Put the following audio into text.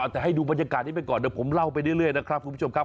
แต่ให้ดูบรรยากาศนี้ไปก่อนเดี๋ยวผมเล่าไปเรื่อยนะครับคุณผู้ชมครับ